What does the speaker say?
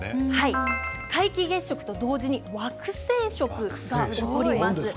皆既月食と同時に惑星食も起こります。